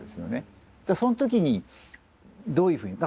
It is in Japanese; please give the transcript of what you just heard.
その時にどういうふうに。